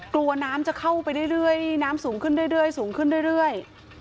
กลัวน้ำจะเข้าไปเรื่อยน้ำสูงขึ้นเรื่อยสูงขึ้นเรื่อย